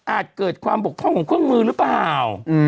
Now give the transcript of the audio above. เกิดความบกพร่องของเครื่องมือหรือเปล่า